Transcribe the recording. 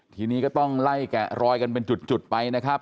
ทีนี้ก็ต้องไล่แกะรอยกันเป็นจุดไปนะครับ